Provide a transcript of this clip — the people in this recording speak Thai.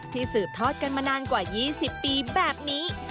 ที่สืบทอดกันมานานกว่ายี่สิบปีแบบนี้